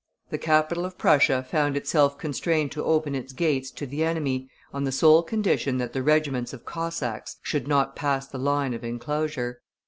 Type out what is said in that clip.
The capital of Prussia found itself constrained to open its gates to the enemy, on the sole condition that the regiments of Cossacks should not pass the line of enclosure.